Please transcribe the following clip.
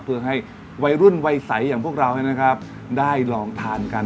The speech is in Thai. เพื่อให้วัยรุ่นวัยใสอย่างพวกเราได้ลองทานกัน